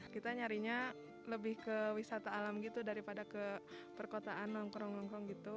kita nyarinya lebih ke wisata alam gitu daripada ke perkotaan nongkrong nongkrong gitu